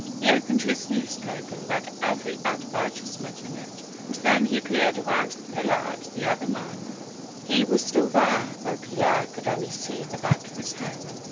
He opened his newspaper and read every advertisement in it. And then he peered around the pillar at the other man ; he FAITH 273 was still there, though Pierre could only see the back of his head.